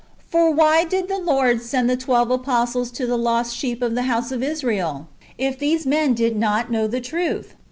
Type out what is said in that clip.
For why did the Lord send the twelve apostles to the lost sheep of the house of Israel,^ if these men did not know the truth